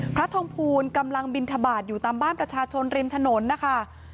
พระทองภูลกำลังบินทบาทอยู่ตามบ้านประชาชนริมถนนนะคะ